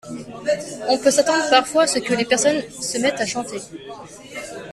On peut s’attendre parfois à ce que les personnages se mettent à chanter.